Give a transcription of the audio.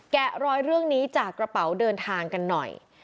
รอยเรื่องนี้จากกระเป๋าเดินทางกันหน่อย